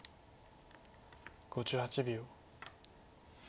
５８秒。